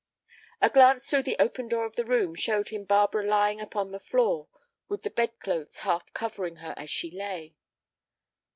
A glance through the open door of the room showed him Barbara lying upon the floor, with the bedclothes half covering her as she lay.